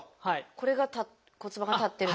これが骨盤が立ってる？